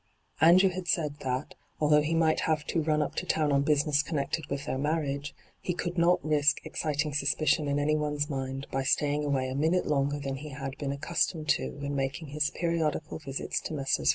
Andrew had said that, although he might have to ' run up to town ' on business con nected with their marriage, be could not risk exciting suspicion in anyone's mind by staying away a minute longer than be bad been accus tomed to when making his periodical visits to Messrs.